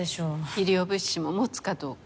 医療物資も持つかどうか。